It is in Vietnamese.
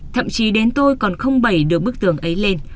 thậm chí đến tôi còn không bẩy được bức tường ấy lên